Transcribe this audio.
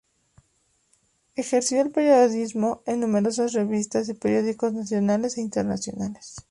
Ejerció el periodismo en numerosas revistas y periódicos nacionales e internacionales.